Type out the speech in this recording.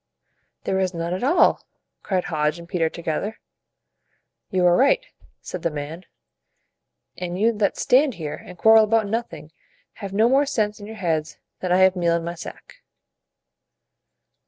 "] "There is none at all!" cried Hodge and Peter together. "You are right," said the man; "and you that stand here and quarrel about nothing, have no more sense in your heads than I have meal in my sack!"